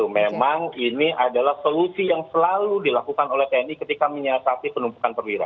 memang ini adalah solusi yang selalu dilakukan oleh tni ketika menyiasati penumpukan perwira